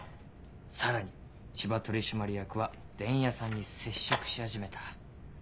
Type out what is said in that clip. さらに千葉取締役は伝弥さんに接触し始めた。